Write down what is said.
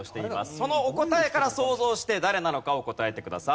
そのお答えから想像して誰なのかを答えてください。